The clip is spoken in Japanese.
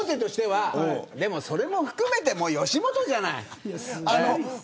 でも、それも含めて吉本じゃない。